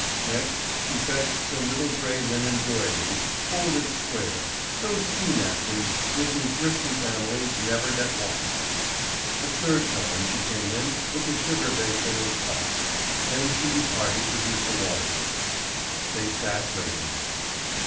Next she fetched some little gray linen doilies, folded square, those tea napkins which in thrifty families never get washed. A third time she came in with the sugar basin and cups; then she departed to heat the water. They sat waiting.